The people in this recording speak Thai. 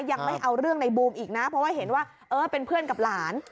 ยังไม่เอาเรื่องในบูมอีกนะเพราะว่าเห็นว่าเออเป็นเพื่อนกับหลาน